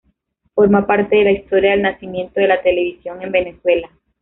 Forma parte de la historia del nacimiento de la televisión en Venezuela.